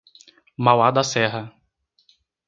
Mauá da Serra